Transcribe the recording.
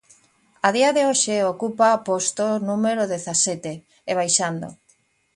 A día de hoxe, ocupa o posto número dezasete, e baixando.